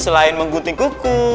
selain menggunting kuku